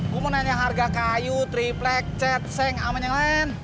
gue mau nanya harga kayu triplek cetseng aman yang lain